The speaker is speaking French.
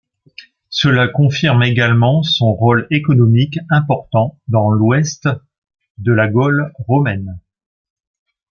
Cela confirme également son rôle économique important dans l'Ouest de la Gaule romaine.